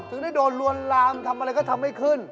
ได้โดนลวนลามทำอะไรก็ทำไม่ขึ้น